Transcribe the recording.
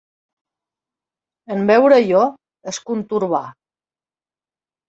En veure allò, es contorbà.